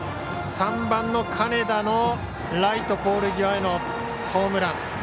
３番の金田のライトポール際へのホームラン。